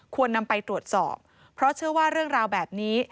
ควรนำไปตรวจสอบเพราะเชื่อว่าเรื่องราวแบบนี้